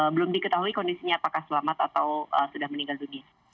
belum diketahui kondisinya apakah selamat atau sudah meninggal dunia